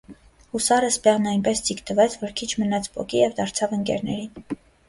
Հուսարս բեղն այնպես ձիգ տվեց, որ քիչ մնաց պոկի, և դարձավ ընկերներին.